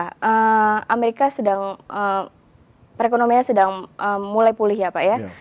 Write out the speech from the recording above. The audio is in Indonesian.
iya amerika perekonomiannya sedang mulai pulih ya pak ya